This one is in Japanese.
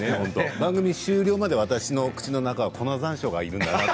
番組終了まで私の口の中には粉ざんしょうがいるんだなと。